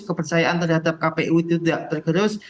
kepercayaan terhadap kpu itu tidak tergerus